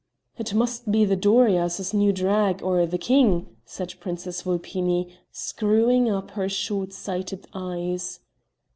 "It must be the Dorias' new drag, or the King," said Princess Vulpini, screwing up her short sighted eyes.